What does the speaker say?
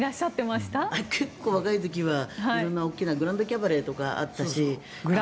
結構、若い時はグランドキャバレーとかあったし。